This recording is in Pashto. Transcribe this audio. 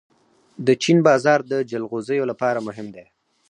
د چین بازار د جلغوزیو لپاره مهم دی.